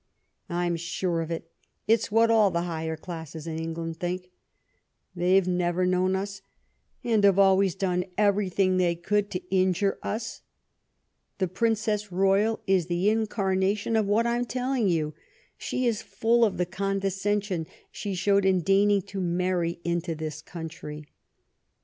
I'm sure of it ; it's what all the higher class in England thinks. They've never known us, and have always done everything they could to injure us. The Princess Royal is the incarnation of what I'm telling you. She is full of the condescension she showed in deigning to marry into our country."